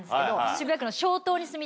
渋谷区の。